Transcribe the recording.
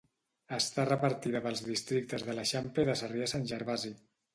Està repartida pels districtes de l'Eixample i de Sarrià-Sant Gervasi.